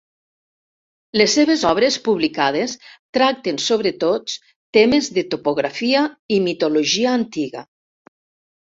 Les seves obres publicades tracten sobretot temes de topografia i mitologia antiga.